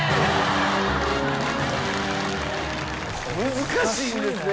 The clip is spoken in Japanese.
難しいんですね